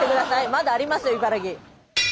まだありますよ茨城。